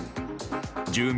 住民